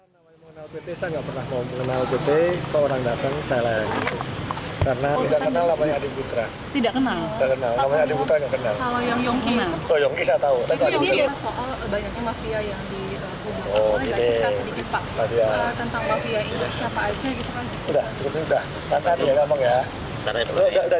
kami tidak cakap sedikit pak tentang mafia indonesia pak ajay